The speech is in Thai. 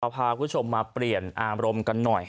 พาคุณผู้ชมมาเปลี่ยนอารมณ์กันหน่อย